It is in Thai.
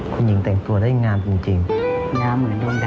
ขอบพระคุณค่ะขอบพระคุณ